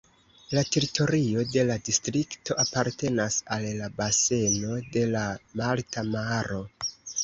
La teritorio de la distrikto apartenas al la baseno de la Balta Maro.